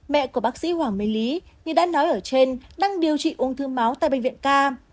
mẹ của bác sĩ hoàng mê lý như đã nói ở trên đang điều trị ung thư máu tại bệnh viện ca